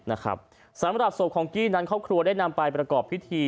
นะครับสำหรับศพของกี้นั้นครอบครัวได้นำไปประกอบพิธี